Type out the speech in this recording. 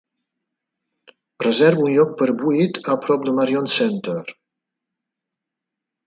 Reserva un lloc per a vuit a prop de Marion Center